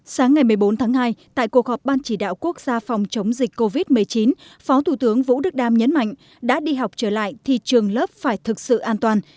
sáng ngày một mươi bốn tháng hai tại cuộc họp ban chỉ đạo quốc gia phòng chống dịch covid một mươi chín phó thủ tướng vũ đức đam nhấn mạnh đã đi học trở lại thì trường lớp phải thực sự an toàn